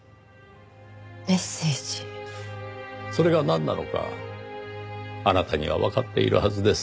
それがなんなのかあなたにはわかっているはずです。